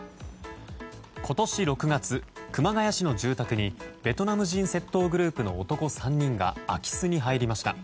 今年６月熊谷市の住宅にベトナム人窃盗グループの男３人が空き巣に入りました。